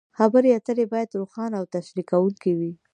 خبرې اترې باید روښانه او تشریح کوونکې وي.